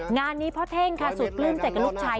งานนี้พ่อเท่งค่ะสุดปลื้มใจกับลูกชาย